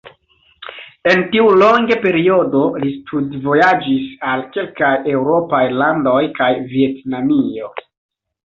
En tiu longe periodo li studvojaĝis al kelkaj eŭropaj landoj kaj Vjetnamio.